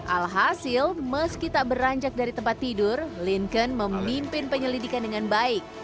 alhasil meski tak beranjak dari tempat tidur lincon memimpin penyelidikan dengan baik